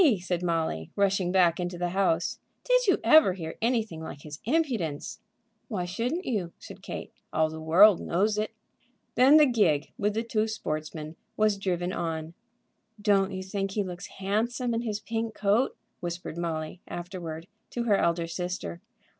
said Molly, rushing back into the house. "Did you ever hear anything like his impudence?" "Why shouldn't you?" said Kate. "All the world knows it." Then the gig, with the two sportsmen, was driven on. "Don't you think he looks handsome in his pink coat?" whispered Molly, afterward, to her elder sister.